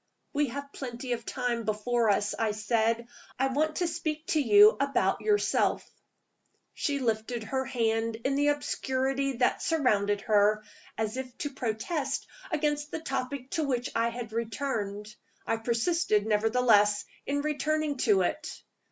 "We have plenty of time before us," I said. "I want to speak to you about yourself." She lifted her hand in the obscurity that surrounded her, as if to protest against the topic to which I had returned. I persisted, nevertheless, in returning to it.